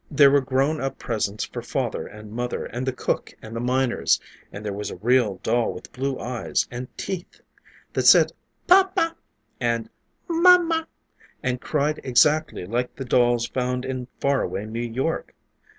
There were grown up presents for father and mother and the cook and the miners; and there was a real doll with blue eyes and teeth, that said "Papa," and "Mama," and cried exactly like the dolls found in far away New York.